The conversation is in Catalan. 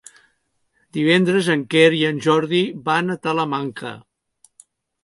Divendres en Quer i en Jordi van a Talamanca.